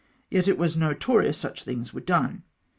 Yet it was notorious such things were done.